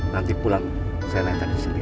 nanti pulang saya naik tadi sendiri